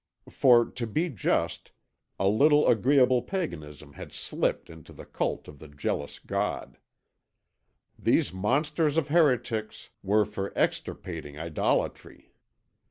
For, to be just, a little agreeable paganism had slipped into the cult of the jealous God. These monsters of heretics were for extirpating idolatry.